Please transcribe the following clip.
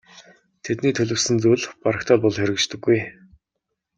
Тэдний төлөвлөсөн зүйл барагтай л бол хэрэгждэггүй.